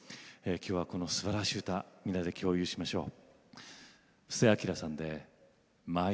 きょうは、このすばらしい歌みんなで共有しましょう。